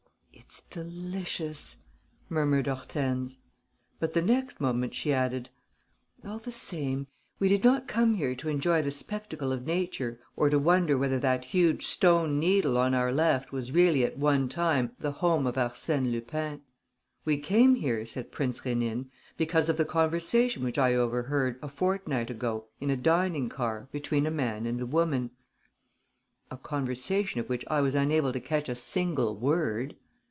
"It's delicious," murmured Hortense. But the next moment she added: "All the same, we did not come here to enjoy the spectacle of nature or to wonder whether that huge stone Needle on our left was really at one time the home of Arsène Lupin." "We came here," said Prince Rénine, "because of the conversation which I overheard, a fortnight ago, in a dining car, between a man and a woman." "A conversation of which I was unable to catch a single word."